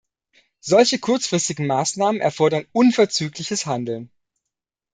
Solche kurzfristigen Maßnahmen erfordern unverzügliches Handeln.